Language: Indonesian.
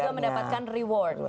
tapi juga mendapatkan reward